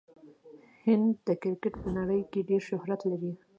هند د کرکټ په نړۍ کښي ډېر شهرت لري.